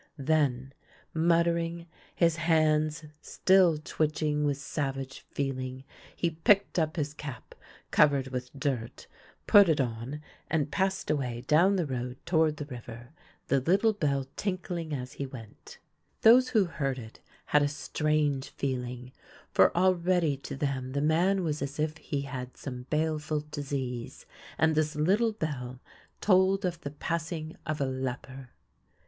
Then, muttering, his hands still twitching with savage feeling, he picked up his cap, covered with dirt, put it on, and passed away down the road toward the river, the little bell tinkling as he io6 THE LANE THAT HAD NO TURNING went. Those who heard it had a strange feeling, for already to them the man was as if he had some baleful disease, and this little bell told of the passing of a leper.